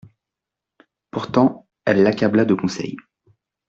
Pourtant, elle l'accabla de conseils.